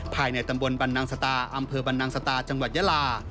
ภายในตำบลบรรนังสตาอำเภอบรรนังสตาจังหวัดยาลา